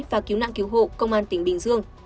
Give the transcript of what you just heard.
và cứu nạn cứu hộ công an tỉnh bình dương